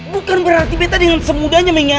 bukan berarti betta dengan semudahnya mengingatkan